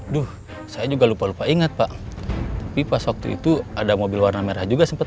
duh saya juga lupa lupa ingat pak tapi pas waktu itu ada mobil warna merah juga sempat